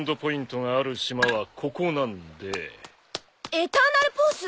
エターナルポース。